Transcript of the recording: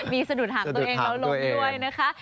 มีสะดุดหักตัวเองแล้วล้มด้วยนะคะ